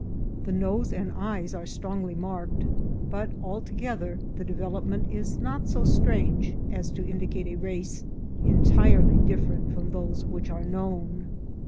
The nose and eyes are strongly marked, but altogether the develop ment is not so strange as to indicate a race entirely dif ferent from those which are known.